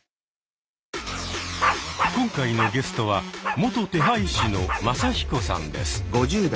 今回のゲストは元手配師のマサヒコさんです。